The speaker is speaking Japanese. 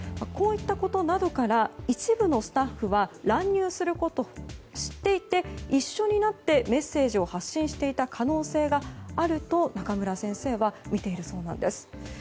こういったことなどから一部のスタッフは乱入することを知っていて一緒になってメッセージを発信していた可能性があると中村先生はみているそうなんです。